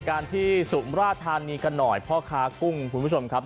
การที่สุมราชธานีกันหน่อยพ่อค้ากุ้งคุณผู้ชมครับ